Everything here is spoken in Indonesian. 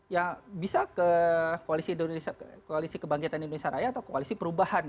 ya bisa ke koalisi kebangkitan indonesia raya atau koalisi perubahan